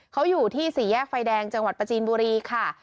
เขาอยู่ที่สี่แยกไฟแดงจังหวัดประจีนบุรีค่ะ